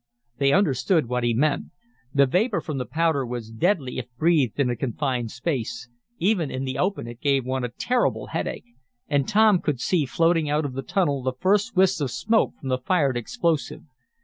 They understood what he meant. The vapor from the powder was deadly if breathed in a confined space. Even in the open it gave one a terrible headache. And Tom could see floating out of the tunnel the first wisps of smoke from the fired explosive.